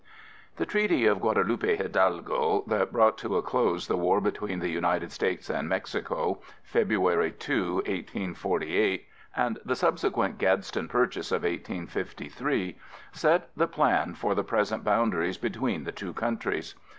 The treaty of Guadalupe Hidalgo that brought to a close the war between the United States and Mexico, February 2, 1848, and the subsequent Gadsden Purchase of 1853, set the plan for the present boundaries between the two countries.